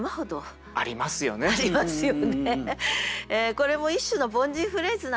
これも一種の凡人フレーズなんですよ。